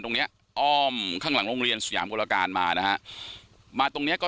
ตรงนี้อ้อมข้างหลังโรงเรียนสุยามโคลการณ์มานะมาตรงนี้ก็